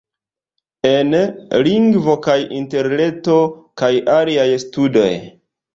En: Lingvo kaj Interreto kaj aliaj studoj.